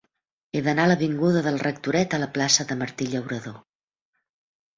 He d'anar de l'avinguda del Rectoret a la plaça de Martí Llauradó.